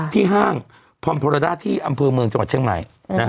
ทั่วข้างภรรภณะราดาที่อำสมจังหวัดเฉิงใหม่